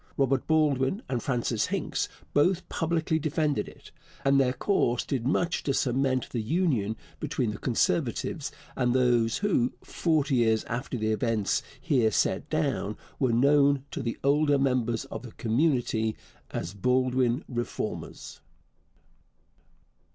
Robert Baldwin and Francis Hincks both publicly defended it, and their course did much to cement the union between the Conservatives and those who, forty years after the events here set down, were known to the older members of the community as 'Baldwin Reformers.'